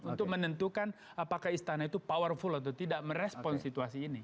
untuk menentukan apakah istana itu powerful atau tidak merespon situasi ini